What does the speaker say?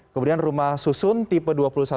kemudian rumah susun tipe dua puluh satu tujuh puluh